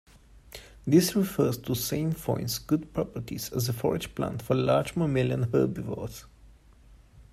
This refers to sainfoin's good properties as a forage plant for large mammalian herbivores.